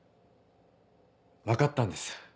分かったんです